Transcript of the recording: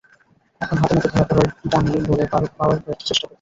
এখন হাতেনাতে ধরা পড়ায় ডামি বলে পার পাওয়ার ব্যর্থ চেষ্টা করছে।